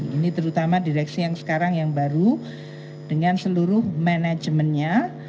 ini terutama direksi yang sekarang yang baru dengan seluruh manajemennya